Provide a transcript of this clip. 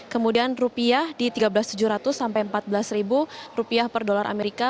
kemudian rp di rp tiga belas tujuh ratus sampai rp empat belas per dolar amerika